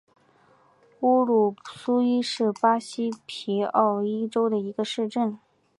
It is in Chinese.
乌鲁苏伊是巴西皮奥伊州的一个市镇。